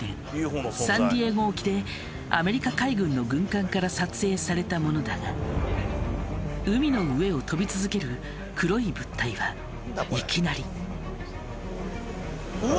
でアメリカ海軍の軍艦から撮影されたものだが海の上を飛び続ける黒い物体はいきなり。